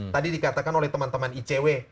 tadi dikatakan oleh teman teman icw